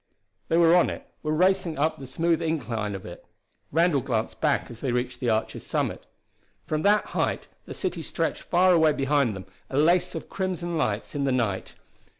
They were on it, were racing up the smooth incline of it. Randall glanced back as they reached the arch's summit. From that height the city stretched far away behind them, a lace of crimson lights in the night.